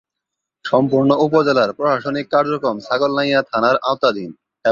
সম্পূর্ণ উপজেলার প্রশাসনিক কার্যক্রম ছাগলনাইয়া থানার আওতাধীন।